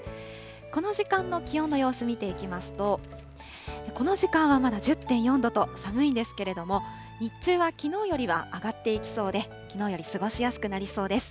この時間の気温の様子、見ていきますと、この時間はまだ１０．４度と寒いんですけれども、日中はきのうよりは上がっていきそうで、きのうより過ごしやすくなりそうです。